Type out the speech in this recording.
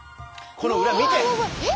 この裏見て！